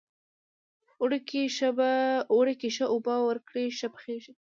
اوړه که ښه اوبه ورکړې، ښه پخیږي